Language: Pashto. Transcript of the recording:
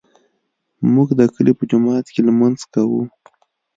موږ د کلي په جومات کې لمونځ کوو